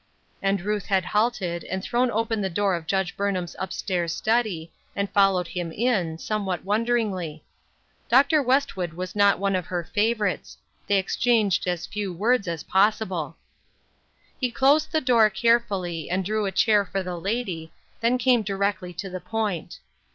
And Ruth had halted, and thrown open the door of Judge Burnham's up stairs study, and followed him in, somewhat wonderingly. Dr. Westwood was not one of her favorites ; they exchanged as few words as possible. WAITING. 233 He closed the door carefully, and drew a chair for the lady, then came directly to the point.